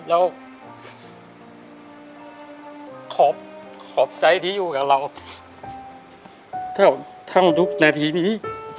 แล้วขอบใจที่อยู่กับเราแทบทั้งทุกนาทีนี้